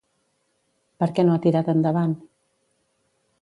Per què no ha tirat endavant?